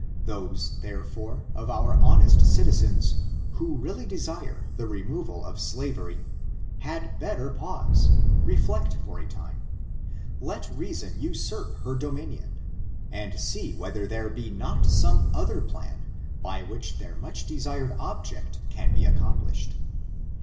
Those, therefore, of our honest citizens, who really dedre the removal of slavery, had better pause, reflect for a time, let reason usurp her dominion, and see whether there be not some other plan by which their much desired object can be accomplished.